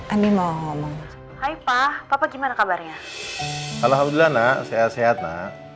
alhamdulillah nak sehat sehat nak